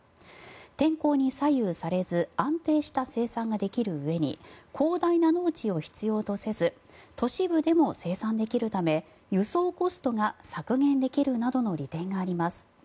天候に左右されず安定した生産ができるうえに広大な農地を必要とせず都市部でも生産できるため輸送コストが削減できるなどの利点があります。